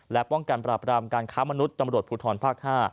และป้องกันปราบรามการค้ามนุษย์ตำรวจภูทรภาค๕